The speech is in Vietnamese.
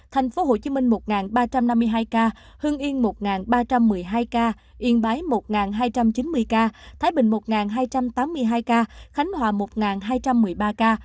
thành phố hồ chí minh một ba trăm năm mươi hai ca hương yên một ba trăm một mươi hai ca yên bái một hai trăm chín mươi ca thái bình một hai trăm tám mươi hai ca khánh hòa một hai trăm một mươi ba ca